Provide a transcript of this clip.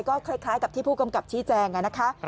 ก็คล้ายกับที่ผู้กำกับชี้แจงนะคะ